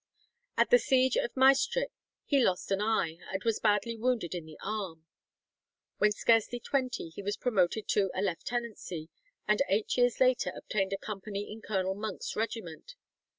At the siege of Maestricht he lost an eye, and was badly wounded in the arm. When scarcely twenty he was promoted to a lieutenancy, and eight years later obtained a company in Colonel Monk's regiment.